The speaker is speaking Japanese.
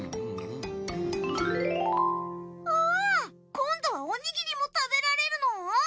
今度はおにぎりも食べられるの？